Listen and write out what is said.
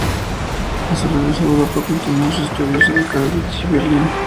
A su regreso a Europa, continuó sus estudios en Cambridge y Berlín.